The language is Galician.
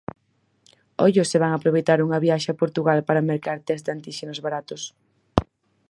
Ollo se van aproveitar unha viaxe a Portugal para mercar test de antíxenos baratos.